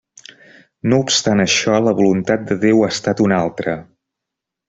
No obstant això, la voluntat de Déu ha estat una altra.